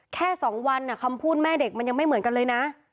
แค่๒วันคำพูดแม่เด็กมันยังไม่เหมือนกันเลยนะ